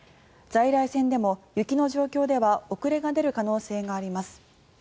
在来線でも雪の状況では遅れが出る可能性があります。